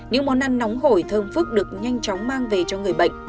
những món ăn nóng hổi thơm phức được nhanh chóng mang về cho người bệnh